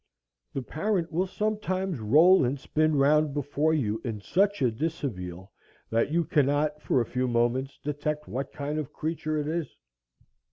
The parent will sometimes roll and spin round before you in such a dishabille, that you cannot, for a few moments, detect what kind of creature it is.